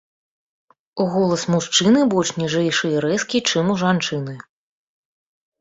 Голас мужчыны больш ніжэйшы і рэзкі, чым у жанчыны.